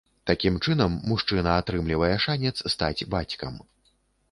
Такім чынам мужчына атрымлівае шанец стаць бацькам.